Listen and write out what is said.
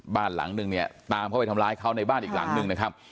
บ้านหลังนึงเนี่ยตามเข้าไปทำร้ายเขาในบ้านอีกหลังนึงนะครับ